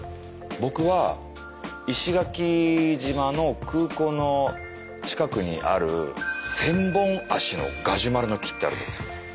僕は石垣島の空港の近くにある千本足のガジュマルの木ってあるんです。